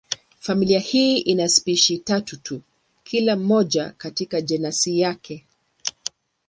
Familia hii ina spishi tatu tu, kila moja katika jenasi yake.